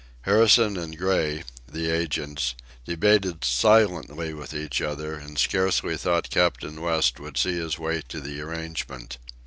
Harrison and Gray, the agents, debated silently with each other and scarcely thought Captain West would see his way to the arrangement.